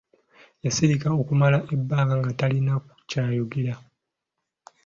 Yasirika okumala ebbanga nga talina kyayogera!